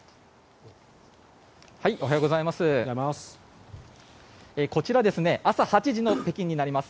おはようございます。